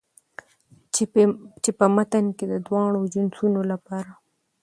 چې په متن کې د دواړو جنسونو لپاره